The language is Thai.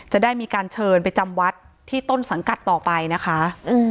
จะได้มีการเชิญไปจำวัดที่ต้นสังกัดต่อไปนะคะ